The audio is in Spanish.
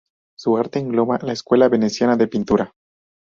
Su arte se engloba en la Escuela veneciana de pintura.